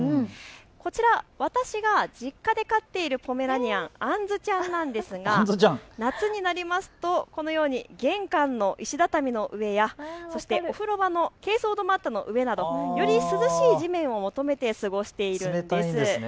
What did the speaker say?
こちら私が実家で飼っているポメラニアンあんずちゃんなんですが夏になりますとこのように玄関の石畳の上やお風呂場のけいそう土マットの上などより涼しい地面を求めて過ごしているんです。